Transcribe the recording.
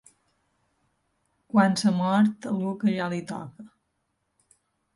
Quan se mort algú que ja li toca